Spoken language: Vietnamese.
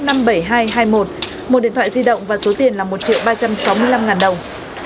một điện thoại di động và số tiền là một triệu ba trăm sáu mươi năm ngàn đồng